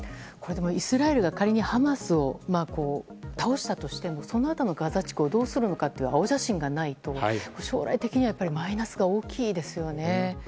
イスラエルが仮にハマスを倒したとしてもそのあとのガザ地区をどうするのかという青写真がないと将来的にはマイナスが大きいですよね。